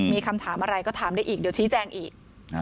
มีคำถามอะไรก็ถามได้อีกเดี๋ยวชี้แจงอีก